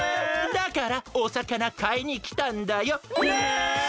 だからおさかなかいにきたんだよ。ね！